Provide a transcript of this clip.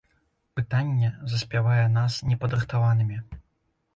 Пытанне заспявае нас непадрыхтаванымі.